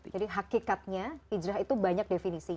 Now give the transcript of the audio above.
jadi hakikatnya hijrah itu banyak definisinya